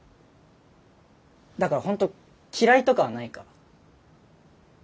だから本当嫌いとかはないから。